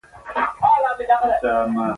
هنر، اقتصاد او سیاست پوخ علمي تعریف نه درلود.